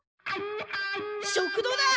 食堂だ！